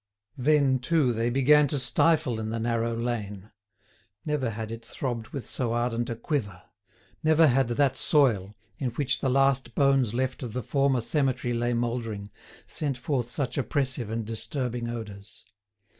Then, too, they began to stifle in the narrow lane. Never had it throbbed with so ardent a quiver; never had that soil, in which the last bones left of the former cemetery lay mouldering, sent forth such oppressive and disturbing odours.